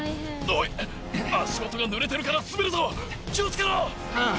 おい、足元がぬれてるから滑るぞ、気をつけろ。